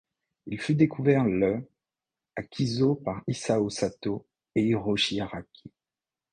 Il fut découvert le à Kiso par Isao Sato et Hiroshi Araki.